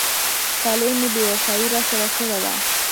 خولۍ مې بې وفایي را سره کړې وه.